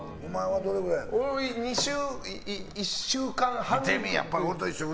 俺は２週１週間半。